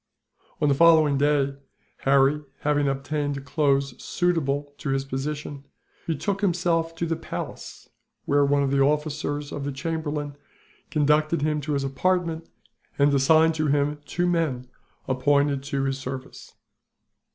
On the following day, Harry, having obtained clothes suitable to his position, betook himself to the palace, where one of the officers of the chamberlain conducted him to his apartment, and assigned to him two men appointed to his service.